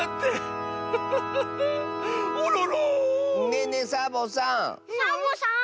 ねえねえサボさん。